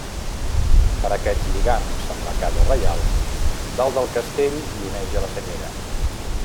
Per aquests lligams amb la casa reial, dalt del castell hi oneja la senyera.